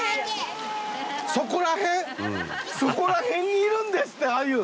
そこら辺にいるんですって鮎！